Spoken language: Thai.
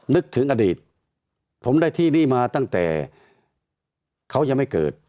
นึกถึงอดีตผมได้ที่นี่มาตั้งแต่เขายังไม่เกิด